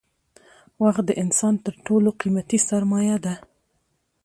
وخت د انسان تر ټولو قیمتي سرمایه ده